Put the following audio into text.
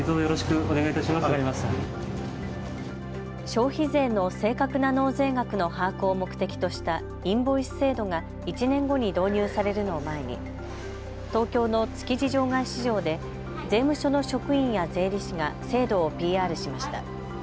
消費税の正確な納税額の把握を目的としたインボイス制度が１年後に導入されるのを前に東京の築地場外市場で税務署の職員や税理士が制度をＰＲしました。